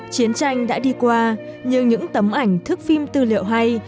chiến tranh đã đi qua nhưng những tấm ảnh thức phim tư liệu hay